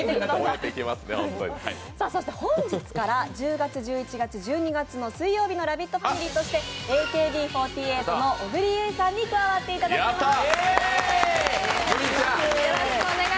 そして本日から１０月、１１月、１２月の水曜日のラヴィットファミリーとしてＡＫＢ４８の小栗有以さんに加わっていただきます。